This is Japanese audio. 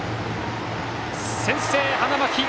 先制、花巻東！